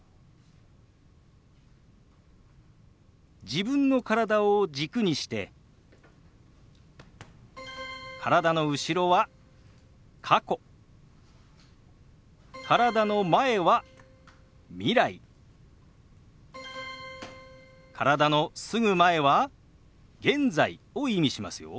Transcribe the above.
自分の体を軸にして体の後ろは過去体の前は未来体のすぐ前は現在を意味しますよ。